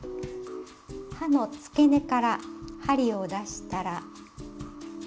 葉のつけ根から針を出したら。